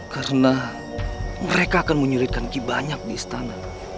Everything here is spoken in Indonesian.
karena mereka akan menyuritkan ki banyak di istana